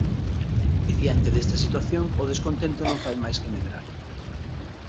E diante desta situación o descontento non fai máis que medrar.